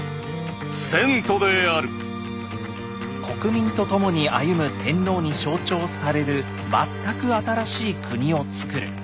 国民と共に歩む天皇に象徴される全く新しい国をつくる。